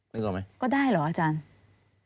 นึกออกไหม้อาจารย์ก็ได้หรือ